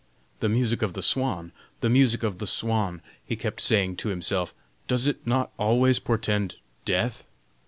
"The music of the swan! the music of the swan!" he kept saying to himself; "does it not always portend death?"